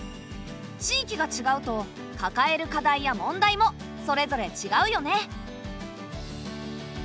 地域がちがうとかかえる課題や問題もそれぞれちがうよね。